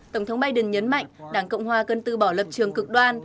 tổng thống biden nhấn mạnh đảng cộng hòa cần từ bỏ lập trường cực đoan